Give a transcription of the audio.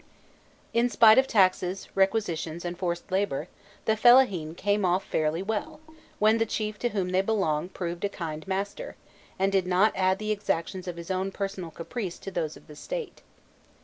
In spite of taxes, requisitions, and forced labour, the fellahîn came off fairly well, when the chief to whom they belonged proved a kind master, and did not add the exactions of his own personal caprice to those of the State.